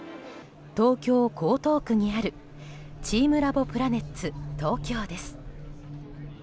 東京・江東区にあるチームラボプラネッツＴＯＫＹＯです。